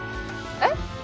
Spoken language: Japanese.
えっ？